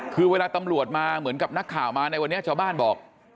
คือเวลาตำรวจมาเหมือนกับนักข่าวมาในวันนี้ชาวบ้านบอก